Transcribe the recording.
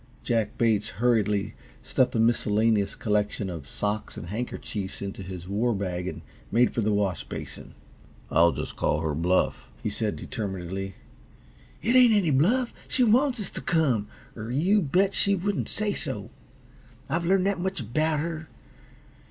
Jack Bates hurriedly stuffed a miscellaneous collection of socks and handkerchiefs into his war bag and made for the wash basin. "I'll just call her bluff," he said, determinedly. "It ain't any bluff; she wants us t' come, er you bet she wouldn't say so. I've learned that much about her.